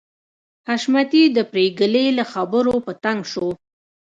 حشمتي د پريګلې له خبرو په تنګ شو